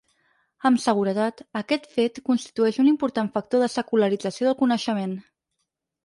Amb seguretat aquest fet constitueix un important factor de secularització del coneixement.